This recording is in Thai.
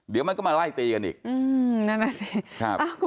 เดี๋ยวมันก็มาไลก์ตีกันอีก